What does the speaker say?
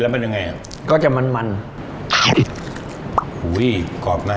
ทั้งเลยปะเนี้ยใช่